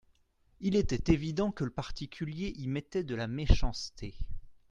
Il était évident que le particulier y mettait de la méchanceté…